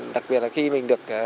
đặc biệt là khi mình được